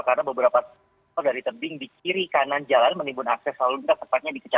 karena beberapa tempat dari tebing di kiri kanan jalan menimbul akses lalu kita sempatnya dikecantikan